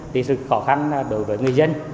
thì sự khó khăn đối với người dân